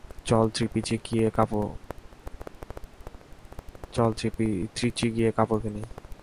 চল ত্রিচি গিয়ে কাপড় কিনি।